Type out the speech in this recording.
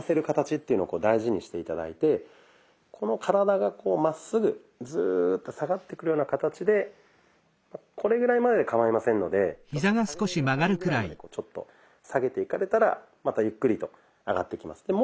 形っていうのを大事にして頂いてこの体がこうまっすぐズーッと下がってくるような形でこれぐらいまででかまいませんのでちょっと下げれる範囲ぐらいまでこうちょっと下げていかれたらまたゆっくりと上がってきます。